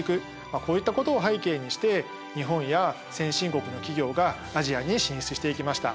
こういったことを背景にして日本や先進国の企業がアジアに進出していきました。